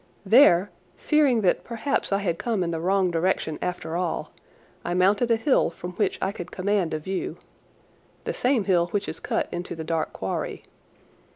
There, fearing that perhaps I had come in the wrong direction after all, I mounted a hill from which I could command a view—the same hill which is cut into the dark quarry.